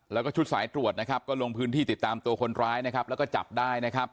แล้วก็ชุดสายตรวจก็ลงพื้นที่ติดตามตัวคนร้ายแล้วก็จับได้